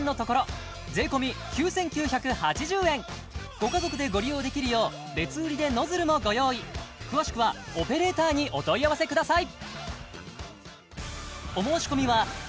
ご家族でご利用できるよう別売りでノズルもご用意詳しくはオペレーターにお問い合わせください